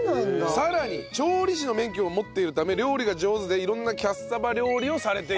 さらに調理師の免許も持っているため料理が上手で色んなキャッサバ料理をされている。